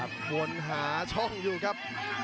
วนหาช่องอยู่ครับ